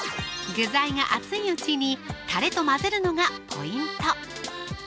具材が熱いうちにたれと混ぜるのがポイント